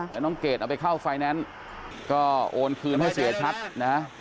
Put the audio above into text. แล้วน้องเกดเอาไปเข้าไฟแนนซ์ก็โอนคืนให้เสียชัดนะ